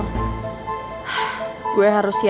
gue harus siapin hati gue buat ketemu sama mel